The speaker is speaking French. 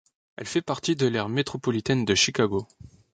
Elle fait partie de l'aire métropolitaine de Chicago.